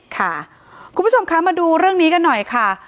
ค่ะคุณผู้ชมคะมาดูเรื่องนี้กันหน่อยค่ะ